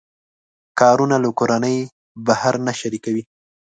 کارونه له کورنۍ بهر نه شریکوي.